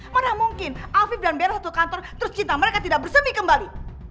mana mungkin afif dan bella satu kantor tercinta mereka tidak bersepi kembali